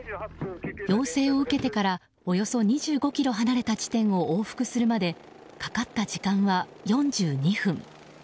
要請を受けてからおよそ２５ｋｍ離れた地点を往復するまでかかった時間は４２分。